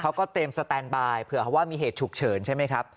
เขาก็เตรียมสแตนบายเผื่อเขาว่ามีเหตุฉุกเฉินใช่ไหมครับ